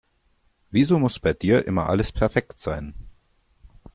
Wieso muss bei dir immer alles perfekt sein?